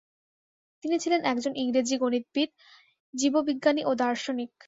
তিনি ছিলেন একজন ইংরেজি গণিতবিদ, জীববিজ্ঞানী ও দার্শনিক।